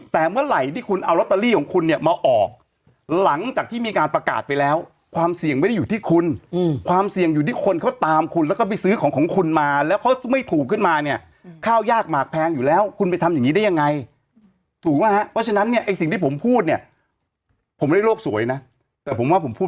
แต่เมื่อไหร่ที่คุณเอาลอตเตอรี่ของคุณเนี่ยมาออกหลังจากที่มีการประกาศไปแล้วความเสี่ยงไม่ได้อยู่ที่คุณความเสี่ยงอยู่ที่คนเขาตามคุณแล้วก็ไปซื้อของของคุณมาแล้วเขาไม่ถูกขึ้นมาเนี่ยข้าวยากหมากแพงอยู่แล้วคุณไปทำอย่างนี้ได้ยังไงถูกไหมฮะเพราะฉะนั้นเนี่ยไอ้สิ่งที่ผมพูดเนี่ยผมไม่ได้โลกสวยนะแต่ผมว่าผมพูด